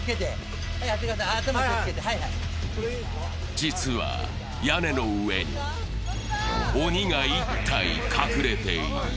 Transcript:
実は、屋根の上に鬼が１体隠れている。